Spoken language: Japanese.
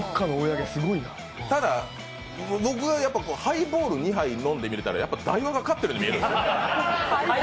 ただ、僕がハイボール２杯飲んで見てたらやっぱダイワが勝ってるように見えるんですよ。